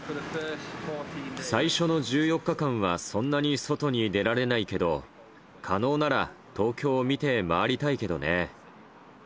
最初の１４日間はそんなに外に出られないけど、可能なら、東京を見て回りたいけどね。